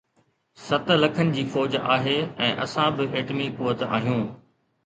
ست لکن جي فوج آهي ۽ اسان به ايٽمي قوت آهيون.